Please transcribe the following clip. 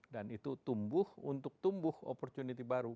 dan itu tumbuh untuk tumbuh opportunity baru